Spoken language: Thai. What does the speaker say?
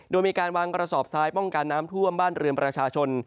โดยมีการวางกระสอบทรายป้องกันน้ำท่วมบ้านเรือนประชาชน